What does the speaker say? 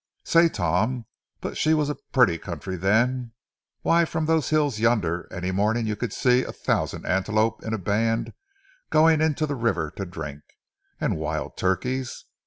Say, Tom, but she was a purty country then! Why, from those hills yonder, any morning you could see a thousand antelope in a band going into the river to drink. And wild turkeys?